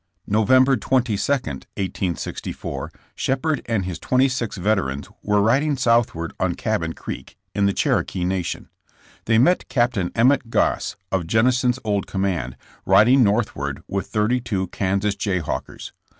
November 22, 1864, Shepherd and his twenty six veterans were riding southward on Cabin Creek, in the Cherokee nation. They met Capt. Emmet Goss of Jennison's old command, riding northward with thirty two Kansas Jayhawkers.